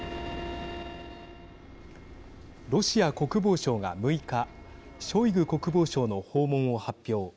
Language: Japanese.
ロシア国防省が６日ショイグ国防相の訪問を発表。